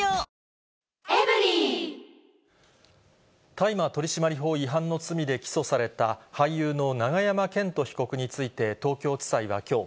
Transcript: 大麻取締法違反の罪で起訴された、俳優の永山絢斗被告について、東京地裁はきょう、